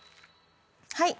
はい。